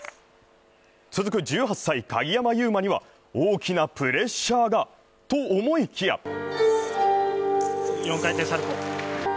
続く１８歳、鍵山優真には大きなプレッシャーがと思いきや。